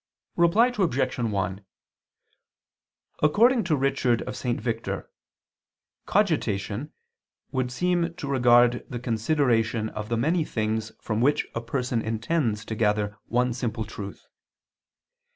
Reply Obj. 1: According to Richard of St. Victor "cogitation" would seem to regard the consideration of the many things from which a person intends to gather one simple truth.